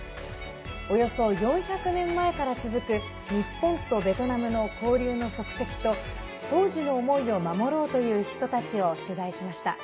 およそ４００年前から続く日本とベトナムの交流の足跡と当時の思いを守ろうという人たちを取材しました。